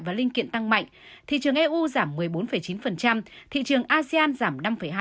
và linh kiện tăng mạnh thị trường eu giảm một mươi bốn chín thị trường asean giảm năm hai